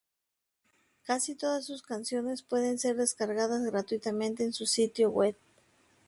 Casi todas sus canciones pueden ser descargadas gratuitamente en su sitio web.